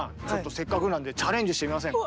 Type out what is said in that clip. せっかくなんでチャレンジしてみませんか。